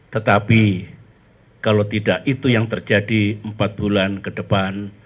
tetapi kalau tidak itu yang terjadi empat bulan ke depan